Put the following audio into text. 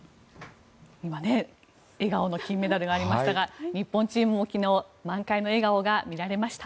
今、笑顔の金メダルがありましたが日本チームも昨日満開の笑顔が見られました。